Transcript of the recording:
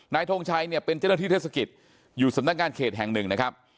ทงชัยเนี่ยเป็นเจ้าหน้าที่เทศกิจอยู่สำนักงานเขตแห่งหนึ่งนะครับ